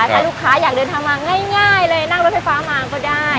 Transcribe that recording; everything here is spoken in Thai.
ถ้าลูกค้าอยากเดินทางมาง่ายเลยนั่งรถไฟฟ้ามาก็ได้